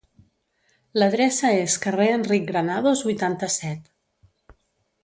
L'adreça és carrer Enric Granados vuitanta-set.